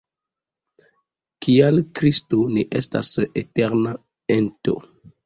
Tial Kristo ne estas eterna ento.